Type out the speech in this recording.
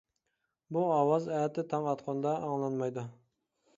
بۇ ئاۋاز ئەتە تاڭ ئاتقاندا ئاڭلانمايدۇ.